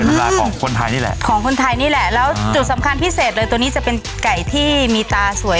อื้มเป็นตำราของคนไทยนี่แหละแล้วจุดสำคัญพิเศษเลยตัวนี้จะเป็นไก่ที่มีตาสวย